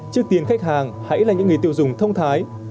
trước tiên khách hàng hãy là những người tiêu dùng thông thái